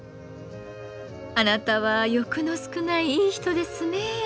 あなたは欲の少ないいい人ですね。